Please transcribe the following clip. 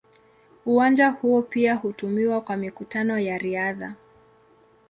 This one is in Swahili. Uwanja huo pia hutumiwa kwa mikutano ya riadha.